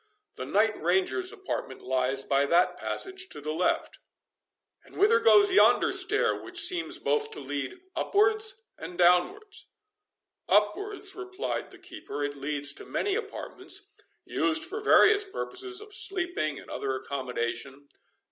The Knight Ranger's apartment lies by that passage to the left." "And whither goes yonder stair, which seems both to lead upwards and downwards?" "Upwards," replied the keeper, "it leads to many apartments, used for various purposes, of sleeping, and other accommodation.